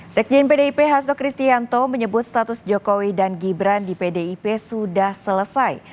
sekjen pdip hasto kristianto menyebut status jokowi dan gibran di pdip sudah selesai